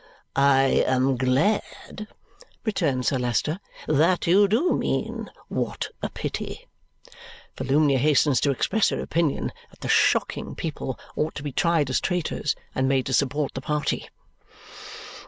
"I am glad," returns Sir Leicester, "that you do mean what a pity." Volumnia hastens to express her opinion that the shocking people ought to be tried as traitors and made to support the party.